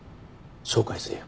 紹介するよ。